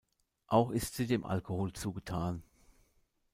Auch ist sie dem Alkohol zugetan.